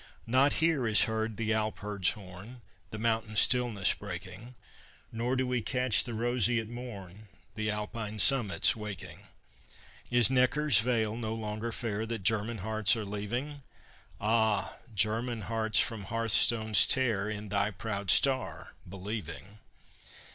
Not here is heard the Alp herd's horn, The mountain stillness breaking; Nor do we catch the roseate morn, The Alpine summits waking. Is Neckar's vale no longer fair, That German hearts are leaving? Ah! German hearts from hearthstones tear, In thy proud star believing.